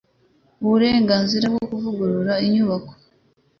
uburenganzira bwo kuvugurura inyubako,